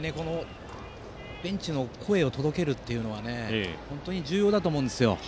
ベンチの声を届けるというのは本当に重要だと思うんです。